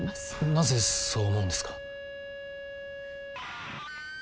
なぜそう思うんですか？